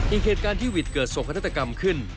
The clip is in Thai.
อีกเหตุการณ์ที่หวิดเกิดโศกนาฏกรรมขึ้น